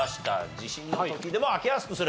地震の時でも開けやすくする？